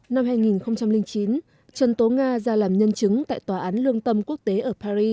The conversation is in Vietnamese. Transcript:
năm hai nghìn chín trần tố nga ra làm nhân chứng tại tòa án lương tâm quốc tế ở paris